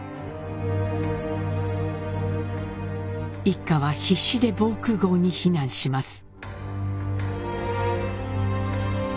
一家は必死で防空壕に避難します。